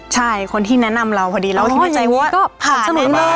ใช่คนที่แนะนำเราพอดีเราก็คิดในใจว่าอ๋ออย่างนี้ก็ผ่าน